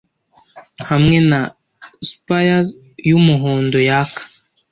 Hamwe na spiers yumuhondo yaka;